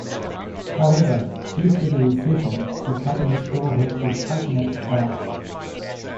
However, due to the recession, the company still had to tighten its belt.